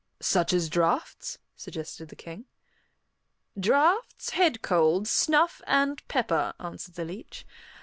"Such as draughts?" suggested the King. "Draughts, head colds, snuff, and pepper," answered the leech.